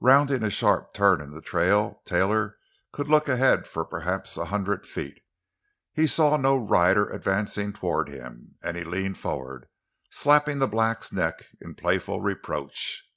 Rounding a sharp turn in the trail, Taylor could look ahead for perhaps a hundred feet. He saw no rider advancing toward him, and he leaned forward, slapping the black's neck in playful reproach.